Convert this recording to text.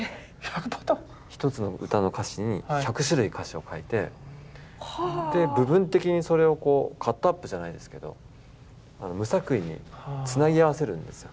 １つの歌の歌詞に１００種類歌詞を書いてで部分的にそれをこうカットアップじゃないですけど無作為につなぎ合わせるんですよ。